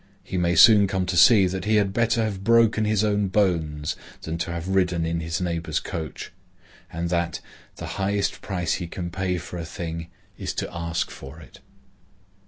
He may soon come to see that he had better have broken his own bones than to have ridden in his neighbor's coach, and that "the highest price he can pay for a thing is to ask for it."